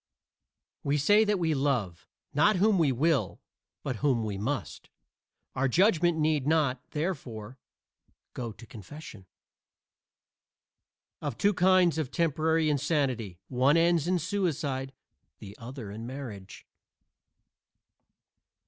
We say that we love, not whom we will, but whom we must. Our judgment need not, therefore, go to confession. Of two kinds of temporary insanity, one ends in suicide, the other in marriage.